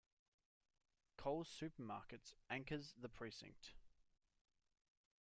Coles Supermarket anchors the precinct.